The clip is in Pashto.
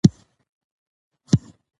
موږ به هېڅکله له زده کړې لاس ونه اخلو.